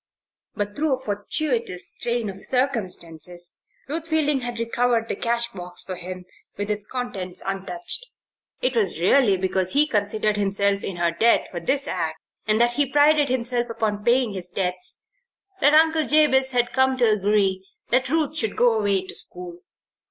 But through a fortuitous train of circumstances Ruth Fielding had recovered the cash box for him, with its contents untouched. It was really because he considered himself in her debt for this act, and that he prided himself upon paying his debts, that Jabez Potter had come to agree that Ruth should go away to school.